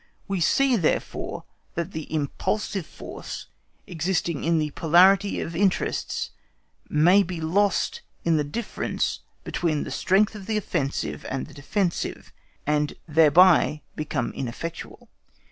We see, therefore, that the impulsive force existing in the polarity of interests may be lost in the difference between the strength of the offensive and the defensive, and thereby become ineffectual.